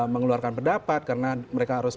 mengeluarkan pendapat karena mereka harus